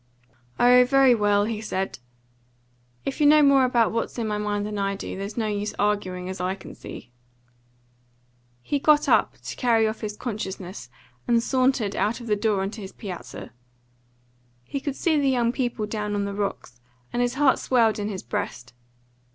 "Oh, very well," he said. "If you know more about what's in my mind than I do, there's no use arguing, as I can see." He got up, to carry off his consciousness, and sauntered out of the door on to his piazza. He could see the young people down on the rocks, and his heart swelled in his breast.